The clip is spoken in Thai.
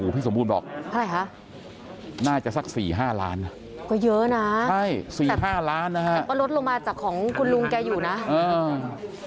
พี่สมบูรณ์บอกน่าจะสักสี่ห้าล้านนะแต่ประลดลงมาจากของคุณลุงแกอยู่นะอืม